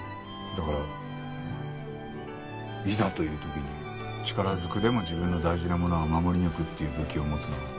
だからいざという時に力ずくでも自分の大事なものは守り抜くっていう武器を持つのは。